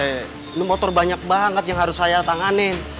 ini motor banyak banget yang harus saya tanganin